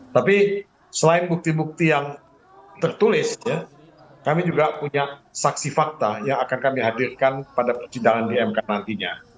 tapi selain bukti bukti yang tertulis kami juga punya saksi fakta yang akan kami hadirkan pada persidangan di mk nantinya